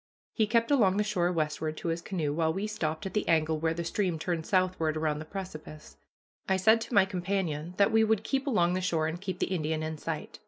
He kept along the shore westward to his canoe, while we stopped at the angle where the stream turned southward around the precipice. I said to my companion that we would keep along the shore and keep the Indian in sight.